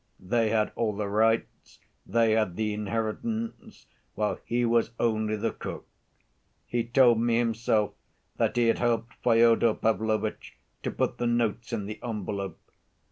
They had all the rights, they had the inheritance, while he was only the cook. He told me himself that he had helped Fyodor Pavlovitch to put the notes in the envelope.